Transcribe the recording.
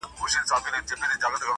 هسي ویني بهېدلې له پرهاره؛